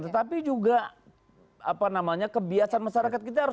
tetapi juga apa namanya kebiasaan masyarakat kita harus